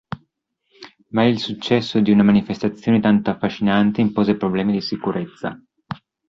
Ma il successo di una manifestazione tanto affascinante impose problemi di sicurezza.